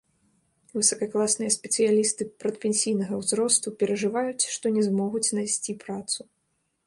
Высакакласныя спецыялісты перадпенсійнага ўзросту перажываюць, што не змогуць знайсці працу.